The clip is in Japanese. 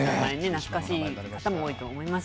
懐かしい方も多いと思います。